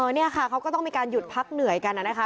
นี่ค่ะเขาก็ต้องมีการหยุดพักเหนื่อยกันนะคะ